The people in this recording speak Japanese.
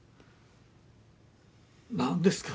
何ですか？